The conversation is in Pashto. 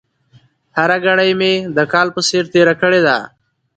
هره ګړۍ مې د کال په څېر تېره کړې ده.